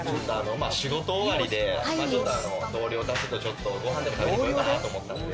仕事終わりで同僚たちとちょっとご飯でも食べに来ようかなと思ったんで。